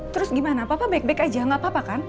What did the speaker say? terus gimana papa baik baik aja gak apa apa kan